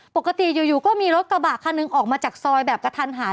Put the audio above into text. ปกติอยู่ก็มีรถกระบะคันหนึ่งออกมาจากซอยแบบกระทันหัน